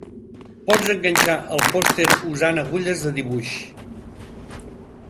Pots enganxar el pòster usant agulles de dibuix